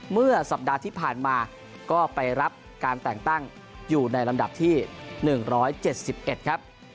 เมื่อสัปดาห์ที่ผ่านมาก็ไปรับการแต่งตั้งอยู่ในลำดับที่๑๗๑ครับ